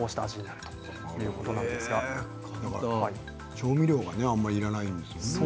調味料があまりいらないんですね